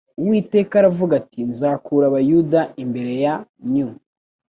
uwiteka aravuga ati nzakura abayuda imbere ya nyu